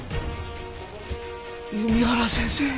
弓原先生。